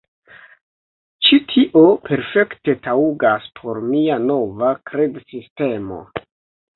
Ĉi tio perfekte taŭgas por mia nova kredsistemo